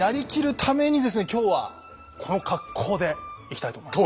今日はこの格好でいきたいと思います。